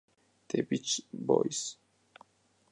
The Beach Boys